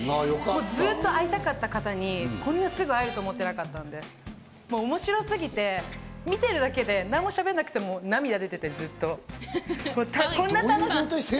ずっと会いたかった方にこんなすぐ会えると思ってなかったんで、面白すぎて、見てるだけで何もしゃべんなくても涙出て、ずっと。